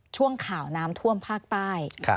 ช่วงข่าวน้ำท่วมภาคใต้